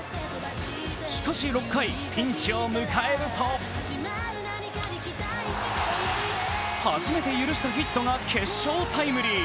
しかし６回、ピンチを迎えると初めて許したヒットが決勝タイムリー。